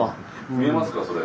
見えますかそれ？